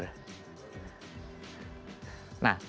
terbukti tetapi tidak menuhi unsur